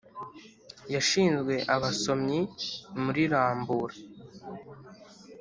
yashinzwe abasomyi muri rambura.